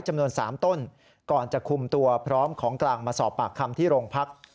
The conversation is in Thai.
จำนวน๓ต้นก่อนจะคุมตัวพร้อมของกลางมาสอบปากคำที่โรงพัก